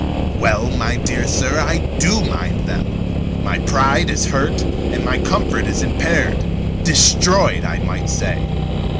"Well, my dear sir, I do mind them. My pride is hurt, and my comfort is impaired destroyed, I might say.